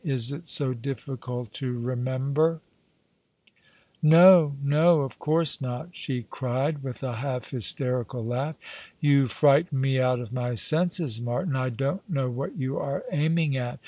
Is it so difficult to remember ?" "No, no; of course not," she cried, vath a half hysterical laugh. " You frighten me out of my senses, Martin. I don't know what you are aiming at.